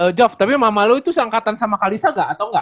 eh jov tapi mamah lo itu seangkatan sama kalisa gak atau enggak